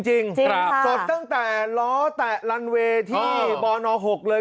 สดตั้งแต่ล้อแตะลันเวย์ที่บน๖เลย